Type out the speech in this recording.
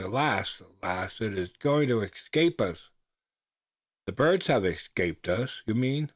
Alas! alas! it is going to escape us!" "The birds have escaped us, you mean?"